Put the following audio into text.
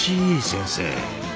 先生。